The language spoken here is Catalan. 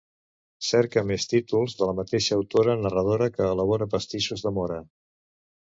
Cerque més títols de la mateixa autora narradora que elabora pastissos de móra.